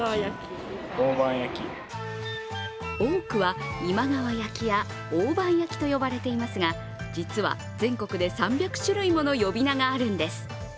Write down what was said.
多くは今川焼きや大判焼きと呼ばれていますが実は、全国で３００種類もの呼び名があるんです。